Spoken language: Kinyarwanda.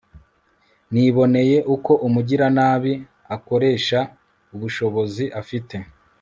niboneye uko umugiranabi akoresha ubushobozi afite